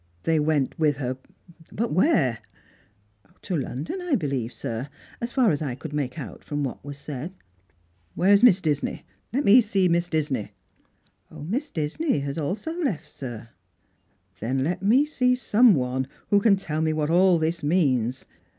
" They went with her, but where ?"" To London, I believe, sir. As far as I could make out from 'jiat was said." " Where is Miss Disney ? Let me see Misa Disney." " Miss Disney have left also, sir." " Then let me see some one who can tell me what all thia means.